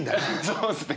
そうですね。